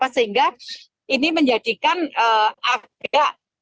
sehingga ini menjadikan ada